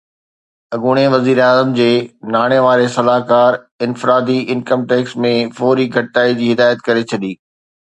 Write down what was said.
اڳوڻي وزيراعظم جي ناڻي واري صلاحڪار انفرادي انڪم ٽيڪس ۾ فوري گهٽتائي جي هدايت ڪري ڇڏي